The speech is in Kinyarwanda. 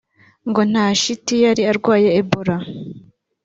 ngo nta shiti yari arwaye Ebola